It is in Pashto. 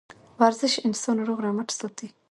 ورزش انسان روغ رمټ ساتي